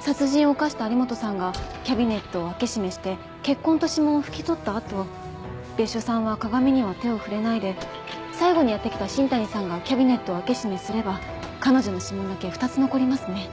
殺人を犯した有本さんがキャビネットを開け閉めして血痕と指紋を拭き取った後別所さんは鏡には手を触れないで最後にやって来た新谷さんがキャビネットを開け閉めすれば彼女の指紋だけ２つ残りますね。